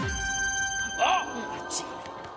あっ！